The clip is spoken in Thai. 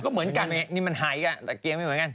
ก็เหมือนกันนี่มันหายกันตะเกียงไม่เหมือนกัน